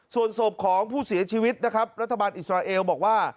ส่วนศพของผู้เสียชีวิตนะครับรัฐบาลอิสราเอลบอกว่า